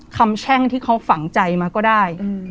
แช่งที่เขาฝังใจมาก็ได้